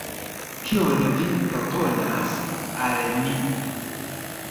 Kion vi proponas al ni!